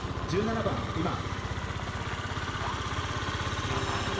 １７番「今。」。